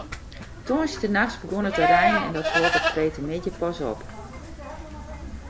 De tongersdeitenachts begûn it te reinen en dat hold op freedtemiddei pas op.